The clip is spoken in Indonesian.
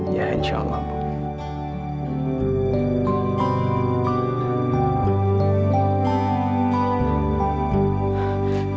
ya insya allah